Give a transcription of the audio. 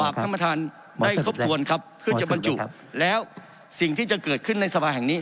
ท่านประธานได้ทบทวนครับเพื่อจะบรรจุแล้วสิ่งที่จะเกิดขึ้นในสภาแห่งนี้